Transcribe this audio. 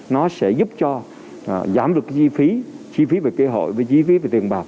nó sẽ giúp cho giảm được cái chi phí chi phí về kế hội chi phí về tiền bạc